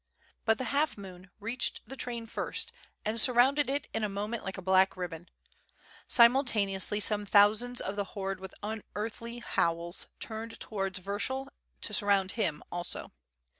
But the half moon reached the train first and^surrounded it in a moment like a black ribbon. Simultaneously some thousands of the horde with unearthly howls turned towards Vyershul to surround him also.